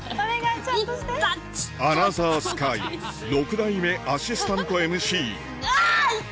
『アナザースカイ』６代目アシスタントＭＣあ痛っ！